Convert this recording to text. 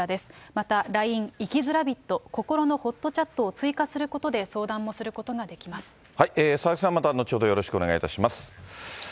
またＬＩＮＥ、生きづらびっと、こころのほっとチャットを追加することで相談も佐々木さん、また後ほどよろお願いします。